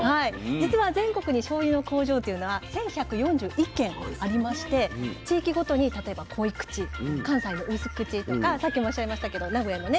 実は全国にしょうゆの工場っていうのは１，１４１軒ありまして地域ごとに例えば濃い口関西の薄口とかさっきもおっしゃいましたけど名古屋のね